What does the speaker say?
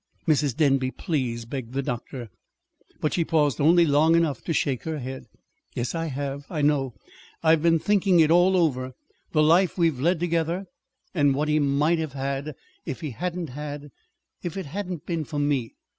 "Mrs. Denby, please " begged the doctor. But she paused only long enough to shake her head. "Yes, I have. I know. I've been thinking it all over the life we've led together, and what he might have had, if he hadn't had if it hadn't been for me.